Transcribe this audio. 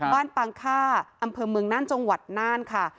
บ้านปางค่าอำเภอเมืองนั่นจังหวัดนั่นค่ะ